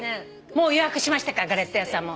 もう予約しましたからガレット屋さんも。